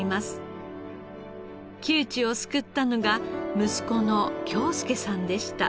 窮地を救ったのが息子の京輔さんでした。